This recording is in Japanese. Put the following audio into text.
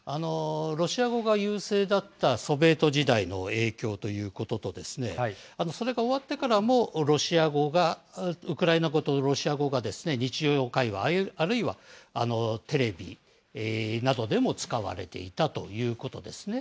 ロシア語が優勢だったソビエト時代の影響ということと、それが終わってからもウクライナ語とロシア語が日常会話、あるいはテレビなどでも使われていたということですね。